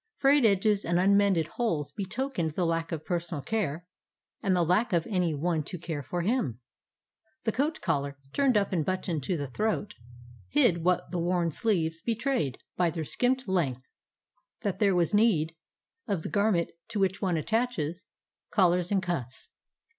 Frayed edges and unmended holes betokened the lack of personal care and the lack of any one to care for him; the coat collar, turned up and but toned to the throat, hid what the worn sleeves betrayed by their skimped length, that there was need of the garment to which one attaches 149 DOG HEROES OF MANY LANDS collars and cuff s.